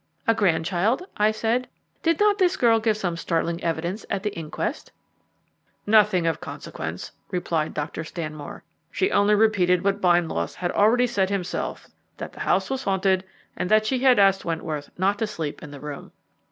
"A grandchild?" I said. "Did not this girl give some startling evidence at the inquest?" "Nothing of any consequence," replied Dr. Stanmore; "she only repeated what Bindloss had already said himself that the house was haunted, and that she had asked Wentworth not to sleep in the room."